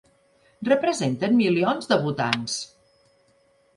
Representen milions de votants!